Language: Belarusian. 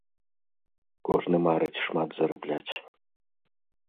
Кожны марыць шмат зарабляць.